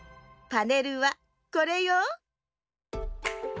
パネルはこれよ。